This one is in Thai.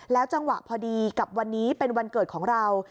จังหวะพอดีกับวันนี้เป็นวันเกิดของเรา